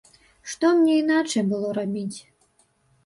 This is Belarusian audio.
Што мне іначай было рабіць!